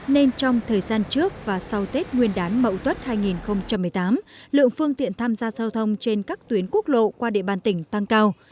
nên trong thời gian trước và sau tết nguyên đán mậu tuất hai nghìn một mươi tám lượng phương tiện tham gia giao thông trên các tuyến quốc lộ qua địa bàn tỉnh tăng cao